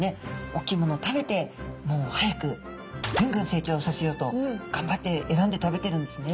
大きいものを食べてもう早くぐんぐん成長させようとがんばって選んで食べてるんですね。